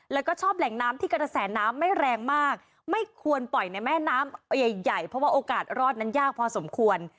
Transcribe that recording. แล้วก็ชอบแหล่งน้ำที่กระแสน้ำไม่แรงมากไม่ควรปล่อยในแม่น้ำใหญ่ใหญ่เพราะว่าโอกาสรอดนั้นยากพอสมควร